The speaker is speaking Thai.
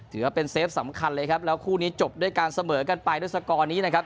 ถือว่าเป็นเซฟสำคัญเลยครับแล้วคู่นี้จบด้วยการเสมอกันไปด้วยสกอร์นี้นะครับ